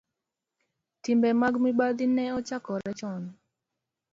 Timbe mag mibadhi ne ochakore chon,